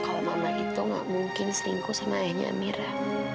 kalau mama itu gak mungkin selingkuh sama zaira